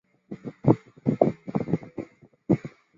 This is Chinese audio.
最高位是西十两六。